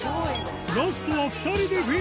ラストは２人でおぉ！